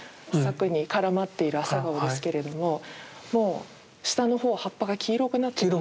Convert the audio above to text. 柵に絡まっている朝顔ですけれどももう下の方葉っぱが黄色くなっている。